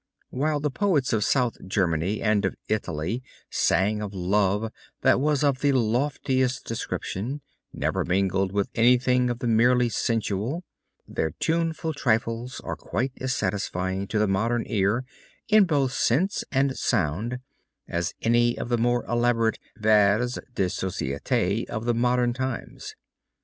While the poets of South Germany and of Italy sang of love that was of the loftiest description, never mingled with anything of the merely sensual, their tuneful trifles are quite as satisfying to the modern ear in both sense and sound as any of the more elaborate vers de societé of the modern times.